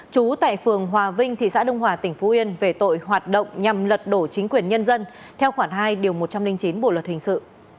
trú tại phường hòa vinh thị xã đông hòa tỉnh phú yên về tội hoạt động nhằm lật đổ chính quyền nhân dân theo khoản hai điều một trăm linh chín bộ luật hình sự